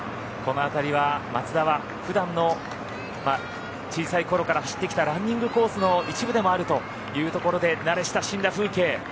この辺りは松田は普段の小さいころから走ってきたランニングコースの一部でもあるということで慣れ親しんだ風景